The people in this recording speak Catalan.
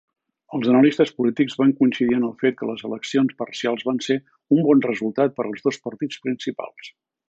Els analistes polítics van coincidir en el fet que les eleccions parcials van ser un "bon resultat per als dos partits principals".